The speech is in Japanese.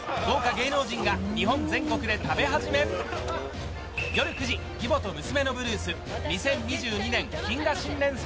豪華芸能人が日本全国で食べ始め夜９時「義母と娘のブルース」２０２２年謹賀新年